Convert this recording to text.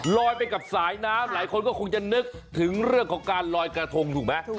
ลอยไปกับสายน้ำหลายคนก็คงจะนึกถึงเรื่องของการลอยกระทงถูกไหม